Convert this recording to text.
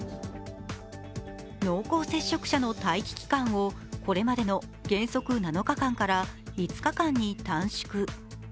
濃厚接触者の待機期間をこれまでの原則７日間から５日間に短縮。